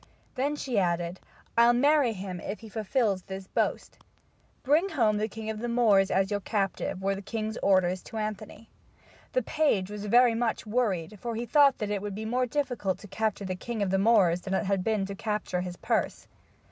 Then she added, "I'll marry him if he fulfills this boast." "Bring home the king of the Moors as your captive," were the king's orders to Anthony. The page was very much worried for he thought that it would be more difficult to capture the king of the Moors than it had been to capture his purse.